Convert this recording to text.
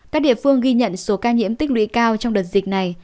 các địa phương ghi nhận số ca nhiễm tích lũy cao trong đợt dịch này